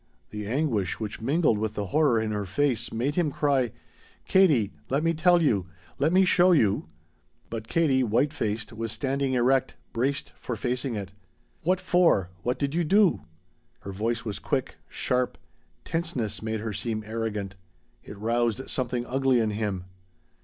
The anguish which mingled with the horror in her face made him cry: "Katie, let me tell you! Let me show you " But Katie, white faced, was standing erect, braced for facing it. "What for? What did you do?" Her voice was quick, sharp; tenseness made her seem arrogant. It roused something ugly in him.